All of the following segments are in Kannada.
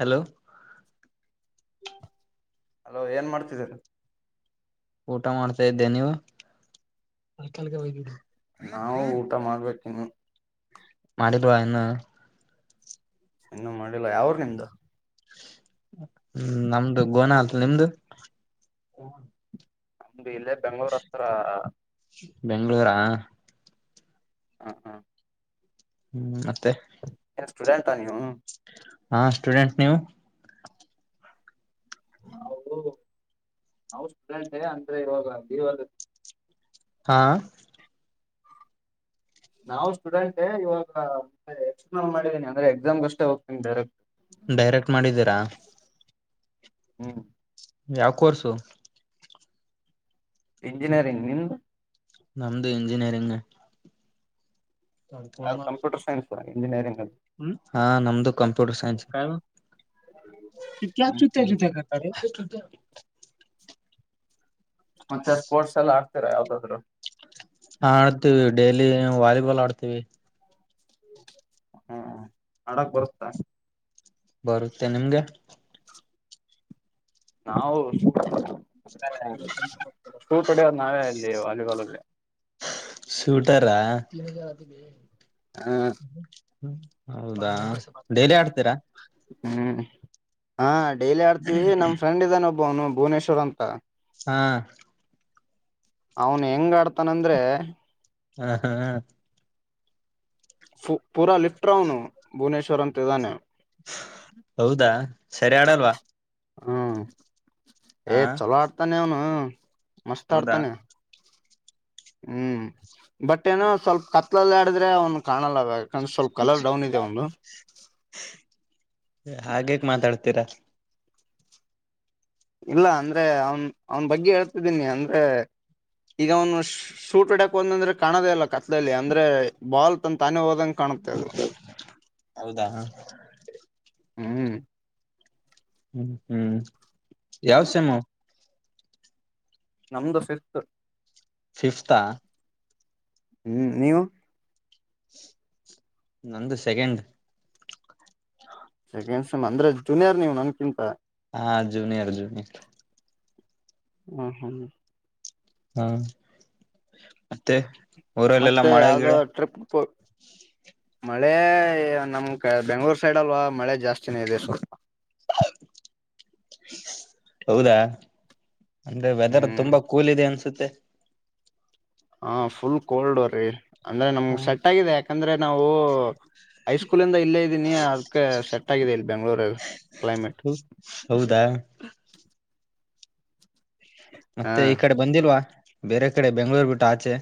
ಹಲೋ ಹಲೋ ಏನ್ ಮಾಡ್ತಿದಿದ್ದಾರೆ ಊಟ ಮಾಡ್ತಾ ಇದ್ದೆ ನೀವು ನಾವು ಊಟ ಮಾಡ್ಬೇಕಿನ್ನು ಮಾಡಿದವಾ ಇನ್ನು ಇನ್ನೂ ಮಾಡಿಲ್ಲ ಯಾಊರು ನಿಂದು ಹ್ಮ್ ನಮ್ದು ಗೋನ ಆತ್ ನಿಮ್ದು [unintelligible] ನಮ್ದು ಇಲ್ಲೇ ಬೆಂಗಳೂರ್ ಹತ್ರ ಬೆಂಗಳೂರು ಹ ಹ್ಮ ಹ್ಮ ಹ್ಮ್ ಮತ್ತೆ ಏನ್ ಸ್ಟೂಡೆಂಟ ನೀವು ಹಾ ಸ್ಟೂಡೆಂಟ್ ನೀವು ಹಾ ನಾವು ಸ್ಟೂಡೆಂಟ್ೇ ಅಂದ್ರೆ ಇವಾಗ ಲೀವ್ ಆಗತ್ತ ಹಾ ನಾವು ಸ್ಟೂಡೆಂಟ್ ಇವಾಗ ಎಕ್ಸ್ಪ್ಲೋನ್ ಮಾಡಿದೀನಿ ಅಂದ್ರೆ ಎಕ್ಸಾಮ್ಗಷ್ಟೇ ಹೋಗ್ತೀನಿ ಡೈರೆಕ್ಟ್ ಡೈರೆಕ್ಟ್ ಮಾಡಿದ್ದೀರಾ ಹ್ಮ್ ಯಾವ ಕೋರ್ಸು ಇಂಜಿನಿಯರಿಂಗ್ ನಿಮ್ದು ನಮ್ದು ಇಂಜಿನಿಯರಿಂಗ್ ಅದು ಕಂಪ್ಯೂಟರ್ ಸೈನ್ಸ್ ಇಂಜಿನಿಯರಿಂಗ್ ಅಲ್ಲಿ ಹಾ ನಮ್ದು ಕಂಪ್ಯೂಟರ್ ಸೈನ್ಸ್ ಕ ಹ್ಮ್ ಜೂತ ಹ್ಮ್ ಚೂತ ಗತಾರೆ ಮತ್ತೆ ಸ್ಪೋರ್ಟ್ಸ್ ಎಲ್ಲ ಆಗ್ತರಾ ಯಾವ್ದಾದ್ರು ಹ ಆಡ್ತೀವಿ ಡೈಲಿ ವಾಲಿಬಾಲ್ ಆಡ್ತೀವಿ ಹಾ ಹಡಕ್ ಬರ್ಸ್ತಾ ಬರುತ್ತೆ ನಿಮ್ಗೆ ನಾವು ಸ ಹೂ ಪಡೆಯೋದು ನಾವೇ ಅಲ್ಲಿ ಅಲ್ಲಿಗ ಸೂಟರಾ ಹ್ಮ ಹ್ಮ ಹೌದಾ ಡೈಲಿ ಆಡ್ತೀರಾ ಹ್ಮ್ ಹಾ ಡೈಲಿ ಆಡ್ತೀವಿ ನಮ್ ಫ್ರೆಂಡ್ ಇದಾನೆ ಒಬ್ಬನು ಭುವನೇಶ್ವರ್ ಅಂತ ಹ್ಮ ಅವನ್ ಹೆಂಗ ಆಡ್ತಾನಂದ್ರೆ ಹಾ ಹಾ ಫು ಪೂರಾ ಲಿಫ್ಟ್ ರೌನು ಭುವನೇಶ್ವರ್ ಅಂತ ಇದ್ದಾನೆ ಹೌದಾ ಸರಿ ಆಡಲ್ವಾ ಹ್ಮ್ ಹಾ ಏ್ ಚಲೋ ಆಡ್ತಾನೆ ಅವನು ಮಸ್ತ್ ಹೌದಾ ಆಡ್ತಾನೆ ಹ್ಮ್ ಬಟ್ ಏನೋ ಸ್ವಲ್ಪ ಕತ್ಲಲ್ಲಿ ಹಾಡಿದ್ರೆ ಅವ್ನ್ ಕಾಣಲ್ಲ ಬೆಗ ಅಂದ್ರ ಸ್ವಲ್ಪ ಕಲರ್ ಡೌನ್ ಇದೆ ಅಂವುದು ಹಾಗೇಕ್ ಮಾತಾಡ್ತೀರಾ ಇಲ್ಲ ಅಂದ್ರೆ ಅವನ್ ಅವನ್ ಬಗ್ಗೆ ಹೇಳ್ತಿದ್ದೀನಿ ಅಂದ್ರೆ ಈಗ ಅವನು ಶೂಟ್ ಇಡಕ್ ಒಂದಂದ್ರೆ ಕಾಣದೇ ಇಲ್ಲ ಕತ್ಲ್ಲಿ ಅಂದ್ರೆ ಬಾಲ್ ತಂದ ತಾನೆ ಹೋದಂ ಹೌದಾ ಹ ಹ್ಮಂ ಹ್ಮ್ ಹ್ಮ್ ಯಾವ್ ಶಮ್ ನಮ್ದು ಸಿಸ್ತು ಫಿಫ್ತಾ ಹ್ಮ್ ನೀವು ನಂದು ಸೆಕೆಂಡ್ ಸೆಕೆಂಡ್ ಸಮ್ ಅಂದ್ರೆ ಜೂನಿಯರ್ ನೀವ್ ನನ್ಕಿಂತ ಹಾ ಜುನಿಯರ್ ಜುನಿಯರ್ ಹ್ಮ ಹ್ಮ ಹಾ ಮತ್ತೆ ಊರಲ್ಲೆಲ್ಲಾ ಮತ್ತೆ ಮಳೆ ಯಾವ್ದೋ ಗಿಳೆ ಟ್ರಿಪ್ ಮಳೆ ನಮ ಬೆಂಗಳೂರ್ ಸೈಡ್ ಅಲ್ವಾ ಮಳೆ ಜಾಸ್ತಿನೇ ಇದೆ ಸ್ವಲ್ಪ ಹೌದಾ ಅಂದ್ರೆ ವೆದರ್ ಹ್ಮ್ ತುಂಬಾ ಕೂಲ್ ಇದೆ ಅನ್ಸುತ್ತೆ ಹ ಫುಲ್ ಕೋಲ್ಡ್ ಅವ್ರಿ ಅಂದ್ರೆ ಹ ನಮ್ಗ್ ಸೆಟ್ ಆಗಿದೆ ಯಾಕಂದ್ರೆ ನಾವು ಹಐಸ್ಕೂಲ್ಂದ ಇಲ್ಲೇ ಇದ್ದೀನಿ ಅದಕ್ಕೆ ಸೆಟ್ ಆಗಿದೆ ಇಲ್ಲಿ ಬೆಂಗಳೂರು ಕ್ಲೈಮೇಟ್ ಹೌದಾ ಹಾ ಮತ್ತೆ ಈ ಕಡೆ ಬಂದಿಲ್ವಾ ಬೇರೆ ಕಡೆ ಬೆಂಗ್ಗಳೂರ್ ಬಿಟ್ಟು ಆಚೆ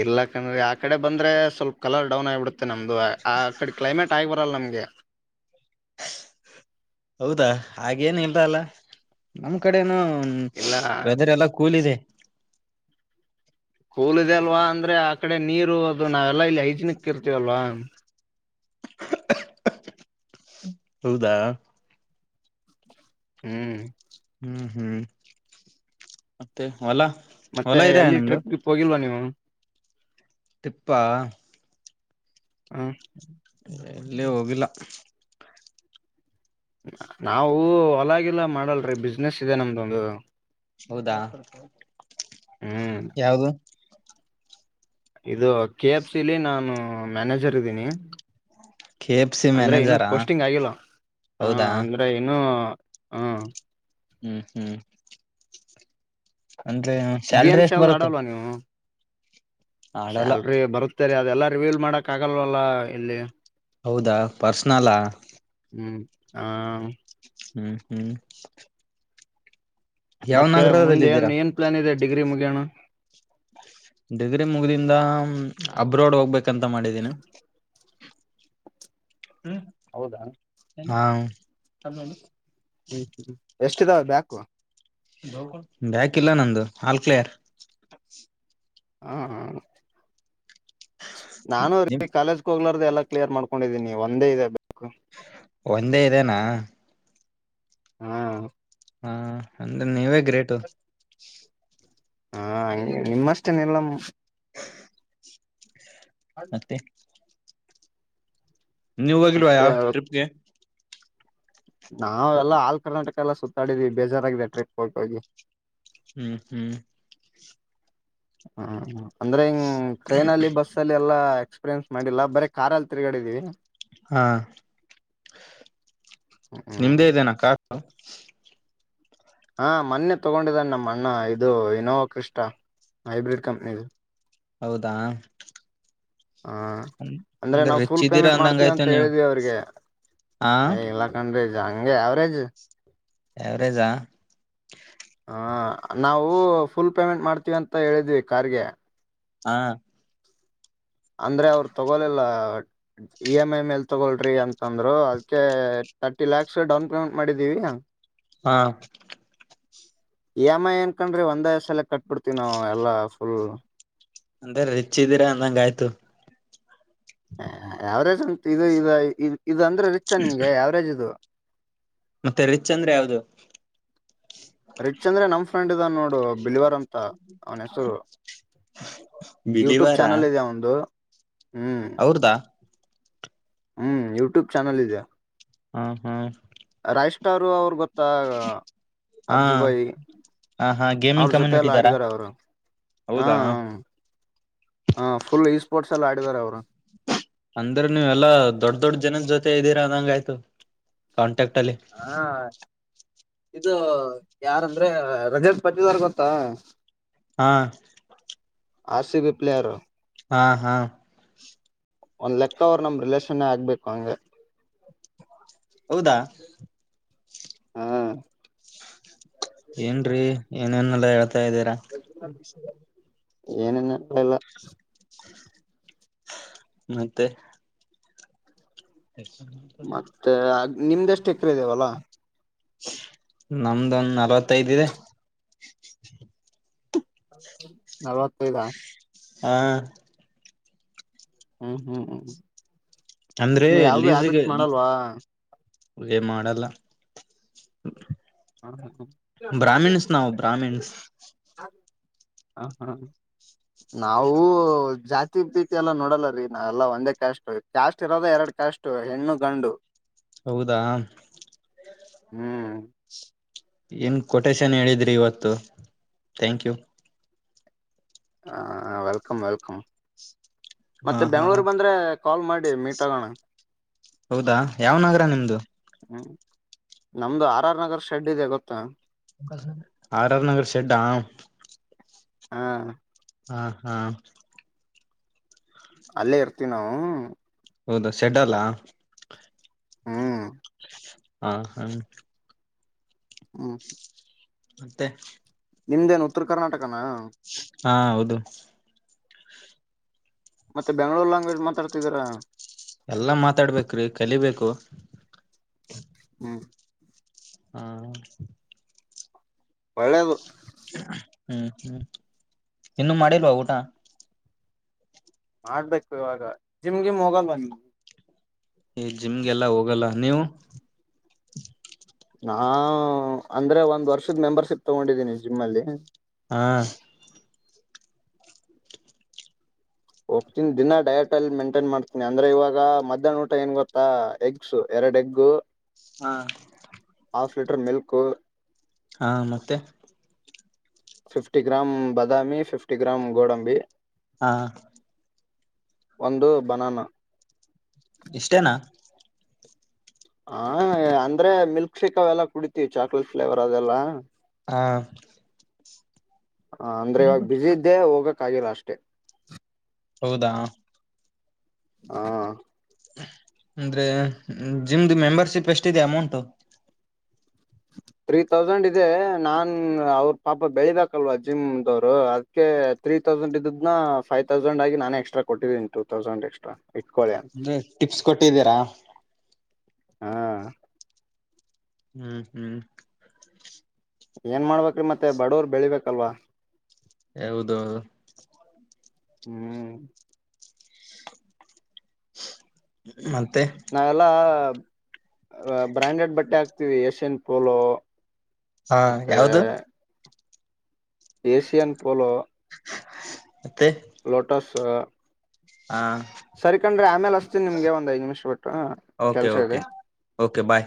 ಇರ್ಲಾಕಂದ್ರೀ ಆ ಕಡೆ ಬಂದ್ರೆ ಸ್ವಲ್ಪ ಕಲರ್ ಡೌನ್ ಆಗಿಬಿಡುತ್ತೆ ನಮ್ದು ಆ ಕಡೆ ಕ್ಲೈಮೇಟ್ ಟೈ್ ಬರಲ್ಲ ನಮ್ಗೆ ಹೌದಾ ಹಾಗೇನ್ ಇಲ್ದ ಅಲ್ಲ ನಮ್ ಕಡೆೇನು ಹ್ಮ್ ಇಲ್ಲ ವೆದರ್ ಎಲ್ಲಾ ಕೂಲ್ ಇದೆ ಕೂಲ್ ಇದೆ ಅಲ್ವಾ ಅಂದ್ರೆ ಆ ಕಡೆ ನೀರು ಅದು ನಾವೆಲ್ಲಾ ಇಲ್ಲಿ ಹೈಜನಿಕ್ ಇರ್ತೀವಲ್ವಾ [inaudible] ಹೌದಾ ಹ್ಮ್ ಹ್ಮ್ ಹ್ಮ್ ಮತ್ತೆ ವಲಾ ಮತ್ತೆ ಎಲ್ಲಿ ಟ್ರಿಪ್ಗೆ ಹೋಗಿಲ್ವಾ ನೀವು ಟಿಪ್ಪ ಹ ಎಲ್ಲಿ ಹೋಗಿಲ್ಲ ನಾವೂ ಹೊಲಾಗಿಲ್ಲ ಮಾಡಲ್ರಿ ಬಿಸ್ನೆಸ್ ಇದೆ ನಮ್ದೊಂದು ಒಂದು ಹೌದಾ ಹ್ಮ್ ಯಾವುದು ಇದು ಕೆ ಎಫ್ ಸಿಲಿ ನಾನು ಮ್ಯಾನೇಜರ್ ಇದ್ದೀನಿ ಕೆ ಎಫ್ ಸಿ ಅಂದ್ರೆ ಇನ್ನು ಮ್ಯಾನೇಜರಾ ಪೋಸ್ಟಿಂಗ್ ಆಗಿಲ್ಲ ಹ ಹೌದಾ ಅಂದ್ರೆ ಇನ್ನು ಹಾ ಹ್ಮ್ ಹ್ಮ್ ಅಂದ್ರೆ ಸ್ಯಾಲ್ರಿ ಗೇಮ್ಸ್ ಎಷ್ಟು ಯಾವ್ದ್ ಬರುತ್ತೆ ಆಡಲ್ವಾ ನೀವು ಆಡಲ್ಲ ಸ್ಯಾಲ್ರಿ ಬರುತ್ತರಿ ಅದೆಲ್ಲ ರಿವ್ಯೂಲ್ ಮಾಡಕ್ ಆಗಲ್ವಲ್ಲ ಇಲ್ಲಿ ಹೌದಾ ಪರ್ಸ್ನಲಾ ಹ್ಮ್ ಹ ಹ್ಮ್ ಹ್ಮ್ ಯಾವ ಮತ್ತೆ ನಗರದಲ್ಲಿ ಮುಂದೆ ಏನ್ ಇದ್ದೀರಾ ಏನ್ ಪ್ಲಾನ್ ಇದೆ ಡಿಗ್ರಿ ಮುಗಿಯೋಣ ಡಿಗ್ರಿ ಮುಗ್ದಿಂದ ಅಬ್ರೋಡ್ ಹೋಗ್ಬೇಕಂತ ಮಾಡಿದೀನಿ ಹೌದಾ ಹ್ಮ ಹಾ ಹ್ಮ್ ಹ್ಮ್ ಎಷ್ಟ ಇದಾವ ಬ್ಯಾಕು ಬಕ್ ಇಲ್ಲ ನಂದು ಆಲ್ ಕ್ಲಿಯರ್ ಹ್ಮ ಹ್ಮ ನಿಮ್ ನಾನು್ರೀ ಕಾಲೇಜ್ಗೆ ಹೋಗ್ಲಾರ್ದ ಎಲ್ಲ ಕ್ಲಿಯರ್ ಮಾಡ್ಕೊಂಡಿದ್ದೀಿ ಒಂದೇ ಇದೆ ಬ್ಯಾಕು ಒಂದೇ ಇದನಾ ಹ್ಮ್ ಹಾ ಅಂದ್ರೆ ನೀವೇ ಗ್ರೇಟು ಹಾ ನಿಮ್ಮಷ್ಟೇನೆಲ್ಲ ಮತ್ತೆ ನೀವುೋಗಲ್ವಾ ಯ ಮತ್ತೆ ಟ್ರಿಪ್ಗೆ ನಾವೆಲ್ಲಾ ಆಲ್ ಕರ್ನಾಟಕ ಎಲ್ಲ ಸುತ್ತಾಡಿದ್ವಿ ಬೇಜಾರಾಗಾಗಿದೆ ಟ್ರಿಪ್ ಹಟ್ಟ ಹೋಗಿ ಹ್ಮ್ ಹ್ಮ್ ಹ್ಮ ಅಂದ್ರೆ ಹ್ ಟ್ರೈನ ಅಲ್ಲಿ ಬಸ್ಸ ಅಲ್ಲಿ ಎಲ್ಲಾ ಎಕ್ಸ್ಪೀರಿಯನ್ ಮಾಡಿಲ್ಲ ಬರೇ ಕಾರ್ ಅಲ್ಲಿ ತಿರುಗಾಿದೀ ಹಾ ಹ್ಮ್ ನಿಮ್ದೇ ಇದೇನಾ ಕು ಹಾ ಮೊನ್ನೆ ತಗೊಂಡಿದ್ದಾನ ನಮ್ಮ ಅಣ್ಣ ಇದು ಇನೋವಾ ಕ್ರಷ್ಟ ಹೈಬ್ರಿಡ್ ಕಂಪನಿದು ಹೌದಾ ಹಾ ಅಂದ್ರೆ ನಾವವು ರಿಚ್ ಫುಲ್ ಇದ್ದೀರಾ ಪೇಮೆಂಟ್ ಅಂದಂಗ ಮಾಡ್ತೀವಿ ಆಯ್ತು ಅಂತ ನೀವು ಹೇಳಿದ್ವಿ ಅವ್ರಿಗೆ ಹ ಇಲ್ಲಾ ಕಂಡ್ರಿಜ ಹಂಗೆ ಅವಾವರೇಜ್ ಎವರೇಜಾ ಹ ನಾವು ಫುಲ್ ಪೇಮೆಂಟ್ ಮಾಡ್ತೀವಿ ಅಂತ ಹೇಳಿದ್ವಿ ಕಾರ್ ಗೆ ಹಾ [inaudible] ಅಂದ್ರೆ ಅವ್ರು ತಗೊಲಿಲ್ಲ ಇ ಎಮ್ ಐ ಮೇಲ್ ತಗೊಳ್ರಿ ಅಂತಂದ್ರು ಅದಕೆ ತರ್ಟಿ ಲಕ್ಸ್ ಡೌನ್ ಪೇಮೆಂಟ್ ಮಾಡಿದ್ದೀವಿ ಹಾ ಇ ಏಮ್ ಐ ಏನ್ಕಂಡ್ರಿ ಒಂದ ಸಲ ಕಟ್ಬಿ ಬಿಡ್ತೀವಿ ನಾವು ಎಲ್ಲಾ ಫುಲ್ ಅಂದ್ರೆ ರಿಚ್ ಇದ್ದೀರಾ ಅಂದಂಗ ಆಯ್ತು ಯಾವರೇಜ್ ಅಂತ ಇದು ಇ ಇ ಇದು ಅಂದ್ರೆ ರಿಚ್ ನಿಮ್ಗೆ ಯಾವರೇಜ್ ಇದು ಮತ್ತೆ ರಿಚ್ ಅಂದ್ರೆ ಯಾವ್ದು ರಿಚ್ ಅಂದ್ರೆ ನಮ ಫ್ರೆಂಡ್ ಇದ ನೋಡು ಬಿಲ್ವರ್ ಅಂತ ಅವನ ಹೆಸರು ಯೂಟ್ಯೂಬ್ ಬಿಲಿವಾರಾ ಚಾನೆಲ್ ಇದೆ ಅವನದು ಅವ್ರದಾ ಹ್ಮ್ ಯೂಟ್ಯೂಬ್ ಚಾನಲ್ ಇದೆ ಹ್ಮ ಹ್ಮ್ ಫೈವ್ ಸ್ಟಾರ್ ಅವ್ರ ಗೊತ್ತ ಹ ಅಜ್ಬಾಯಿ ಹ ಹಾ ಅವ್ರ ಗೇಮಿಂಗ್ ಜೊತೆ ಕಮ್ಯುನಿಟಿ ಎಲ್ಲ ಇದ್ದಾರಾ ಆಡಿದ್ದಾರೆ ಅವರು ಹ್ಮ ಹೌದಾ ಹ್ಮ ಹ ಫುಲ್ ಈ ಸ್ಪೋರ್ಟ್ಸ್ ಎಲ್ಲ ಆಡಿದ್ದಾರೆ ಅವರು ಅಂದ್ರ ನೀವೂ ಎಲ್ಲಾ ದೊಡ್ಡ ದೊಡ್ ಜನದ ಜೊತೆ ಇದ್ದೀರಾ ಅದಂಗ ಆಯ್ತು ಕ್ಟಲ್ಲಿ ಹಾ ಇದು ಯಾರಂದ್ರೆ ರಜತ್ ಪಚಟಿದಾರ್ ಗೊತ್ತಾ ಹಾ ಆರ್ ಸಿ ಬಿ ಪ್ಲೇಯರ್ ಹಾ ಹಾ ಒಂದ್ ಲೆಕ್ಕ ಅವರು ನಮ್ ರಿಲೇಷನ್ ಆಗ್ಬೇಕು ಹಂಗ ಹೌದಾ ಹಾ ಏನ್ರೀ ಏನೇನ್ಲ್ ಹೇಳ್ತಾ ಇದ್ದೀರಾ ಏನಿಲ್ಲ ಬೆಲ್ಲಾ ಮತ್ತೆ ಎ [unintelligible] ನಿಮ್ದಷ್ಟು ಎಕರೆ ಇದೆ ಹೊಲ ನಮ್ದೊಂದ್ ನಲವತ್ತೈದ್ ಇದೆ ನಲವತ್ತೈದ ಹ ಹ್ಮ್ ಹ್ಮ್ ಹ್ಮ್ ಅಂದ್ರೆ ನೀ ಯಾವ್ದು ಲೀಸ್ಗೆ ಹ್ಯಾಬಿಟ್ಸ್ ಮಾಡಲ್ವಾ [unintelligible] ಮಾಡಲ್ಲ ಬ್ರಾಹ್ಮಿಣಸ್ ನಾವು ಬ್ರಾಹ್ಮಿಣಸ್ ಹ ಹಾ ನಾವು ಜಾತಿ ಭೀತಿ ಎಲ್ಲ ನೋಡಲ್ಲ ರೀ ನಾವ ಎಲ್ಲ ಒಂದೇ ಕ್ಯಾಸ್ಟ್ ಕ್ಯಾಸ್ಟ್ ಇರೋದ ಎರಡ್ ಕ್ಯಾಸ್ಟ್ ಹೆಣ್ಣು ಗಂಡು ಹೌದಾ ಹ್ಮ್ ಏನ್ ಕೊಟೇಶನ್ ಹೇಳಿದ್ರಿ ಇವತ್ತು ಥ್ಯಾಂಕ್ ಯು ಹ ವೆಲ್ಕಮ್ ವೆಲ್ಕಮ್ ಹಾ ಮತ್ತೆ ಹಾ ಬೆಂಗ್ಳೂರು ಬಂದ್ರೆ ಕಾಲ್ ಮಾಡಿ ಮೀಟ್ ಆಗೋಣ ಹೌದಾ ಯಾವ್ ನಗರ ನಿಮ್ದು ಹ್ಮ್ ನಮ್ದು ಆರ್ ಆರ್ ನಗರ್ ಶೆಡ್ ಇದೆ ಗೊತ್ತಾ ಆರ್ ಆರ್ ನಗರ್ ಶೆಡ್ ಹಾ ಹಾ ಹಾ ಹಾ ಅಲ್ಲೇ ಇರ್ತೀವಿ ನಾವು ಹೌದಾ ಶೆಡ್ ಅಲ್ಲ ಹ್ಮ್ ಹಾ ಹ್ಮ ಹ್ಮ ಮತ್ತೆ ನಿಮ್ದೇನು ಉತ್ತರ ಕರ್ನಾಟಕನ ಹಾ ಹೌದು ಮತ್ತೆ ಬೆಂಗ್ಗಳೂರು ಲ್ಯಾಂಗ್ವೇಜ್ ಮಾತಾಡ್ತಿದೀರಾ ಎಲ್ಲಾ ಮಾತಾಡ್ಬೇಕ್ರಿ ಕಲಿಬೇಕು ಹ್ಮ ಹ್ಮ ಒಳ್ಳೇದು ಹ್ಮ್ ಹ್ಮ್ ಇನ್ನುೂ ಮಾಡಿಲ್ವಾ ಊಟ ಮಾಡ್ಬೇಕು ಇವಾಗ ಜಿಮ್ ಗಿಮ್ ಹೋಗಲ್ ಬಂದ ಈ ಜಿಮ್ಗೆಲ್ಲಾ ಹೋಗಲ್ಲ ನೀವು ನಾ ಅಂದ್ರೆ ಒಂದ್ ವರ್ಷದ ಮೆಂಬರ್ಶಿಪ್ ತಗೊಂಡಿದ್ದೀನಿ ಜಿಮ್ಮ್ ಅಲ್ಲಿ ಹಾ ಹೋಗ್ತೀನಿ ದಿನಾ ಡಯಟ್ ಅಲ್ಲಿ ಮೇೈಂಟೈನ್ ಮಾಡ್ತೀನಿ ಅಂದ್ರ ಇವಾಗ ಮಧ್ಯಾಹ್ನ ಊಟ ಏನ್ ಗೊತ್ತಾ ಎಗ್ಸ್ ಎರಡೆಗ್ಗು ಹಾ ಹಾಫ್ ಲೀಟರ್ ಮಿಲ್ಕ್ು ಹಾ ಮತ್ತೆ ಫಿಫ್ಟಿ ಗ್ರಾಮ್ ಬಾದಾಮಿ ಫಿಫ್ಟಿ ಗ್ರಾಮ್ ಗೋಡಂಬಿ ಹಾ ಒಂದು ಬನಾನ ಇಷ್ಟೇನಾ ಹಾ ಅಂದ್ರೆ ಮಿಲ್ಕ್ ಶೇಕ್ ಅವೆಲ್ಲಾ ಕುಳಿತಿವಿ ಚಾಕ್ಲೇಟ್ ಫ್ಲೇವರ್ ಅದೆಲ್ಲಾ ಹಾ ಹ ಅಂದ್ರೆ ಇವಾಗ ಬ್ಯುಸಿ ಇದ್ದೆ ಹೋಗಕ್ ಆಗಿಲ್ಲ ಅಷ್ಟೆ ಹೌದಾ ಹಾ ಅಂದ್ರೆ ಜಿಮ್ ಮೆಂಬರ್ಶಿಪ್ ಎಷ್ಟಿದೆ ಅಮೌಂಟ್ ಹತ್ ತ್ರೀ ತೌಸಂಡ್ ಇದೆ ನಾನ್ ಅವ್ರ ಪಾಪ ಬೆಳಿಬೆಕ್ಕ ಅಲ್ಲ ಜಿಮ್ ದವ್ರು ಅದಕ್ಕೆ ತ್ರೀ ತ್ರೀ ತೌಸಂಡ್ ಇದ್ನ ಫೈವ ತೌಸಂಡ್ಗಿ ನಾನ ಎಕ್ಸ್ಟ್ರ ಕೊಟ್ಟೀನಿ ಟ ತೌಸಂಡ್ ಎಕ್ಸ್ಟ್ರಾ ಇಟ್ಕೊಳ್ಳಿ ಅಂತ ಅ ಟಿಪ್ಸ್ ಕೊಟ್ಟಿದ್ದೀರಾ ಹಾ ಹ್ಮ್ ಹ್ಮ್ ಏನ್ ಮಾಡ್ಬೇಕ್ರಿ ಮತ್ತೆ ಬಡವರ್ ಬೆಳಿಬೇಕಲ್ವಾ ಹೌದು ಹ್ಮ್ ಮ ನಾವೆಲ್ಲಾ ಬ್ರಾಂಡೆಡ್ ಬಟ್ಟೆ ಹಾಕ್ತಿವಿ ಏಷ್ಯನ್ ಪೋಲೋ ಹಾ ಯಾವ್ದ ಏಸಿಯನ್ ಪಲೋ ಮತ್ತೆ ಲೊಟಸ್ ಹಾ ಸರಿಕಂಡ್ರಿ ಆಮೇಲ್ ಅಸ್ತೀನ್ ನಿಮ್ಗೆ ಒಂದ್ ಐದ್ ನಿಮಿಷ ಬಿಟ್ಟು ಓಕೆ ಕೆಲ್ಸ ಇದೆ ಓಕೆ ಓಕೆ ಬಾಯ್